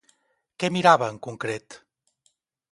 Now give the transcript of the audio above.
Què mirava, en concret?